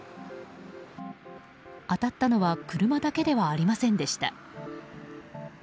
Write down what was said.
当たったのは車だけではありませんでした。